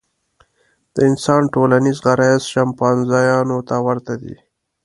د انسان ټولنیز غرایز شامپانزیانو ته ورته دي.